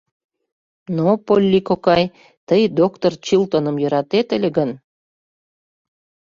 — Но, Полли кокай, тый доктыр Чилтоным йӧратет ыле гын...